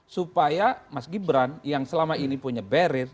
supaya mas gibran yang selama ini punya barrier